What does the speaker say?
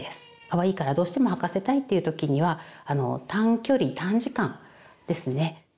かわいいからどうしても履かせたいという時には短距離短時間ですね。